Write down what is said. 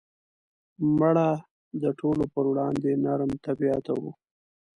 مړه د ټولو پر وړاندې نرم طبیعت وه